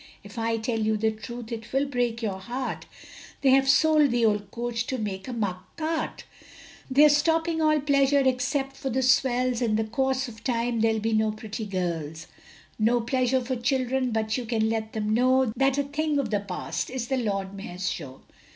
If I tell you the truth, it will break your heart, They have sold the old coach to make a muck cart, They're stopping all pleasure, except for the swells, In the course of time, there'll be no pretty girls; No pleasure for children, but you can let them know, That a thing of the past is the Lord Mayor's Show.